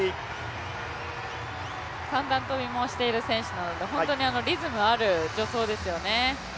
三段跳びもしている選手なので、リズムある助走ですよね。